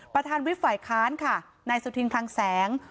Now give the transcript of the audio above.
ประธานวิศไฟค้านค่ะในซุทิย์ครั้งแสง